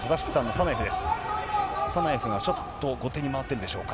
サナエフがちょっと後手に回ってるんでしょうか。